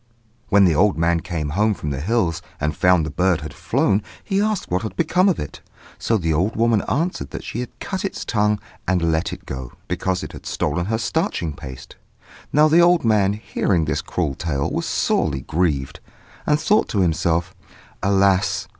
When the old man came home from the hills and found that the bird had flown, he asked what had become of it; so the old woman answered that she had cut its tongue and let it go, because it had stolen her starching paste. Now the old man, hearing this cruel tale, was sorely grieved, and thought to himself, "Alas!